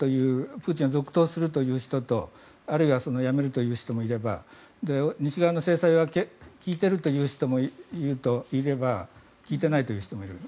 プーチンは続投するという人とかあるいは辞めるという人もいれば西側の制裁が効いているという人もいれば効いてないという人もいる。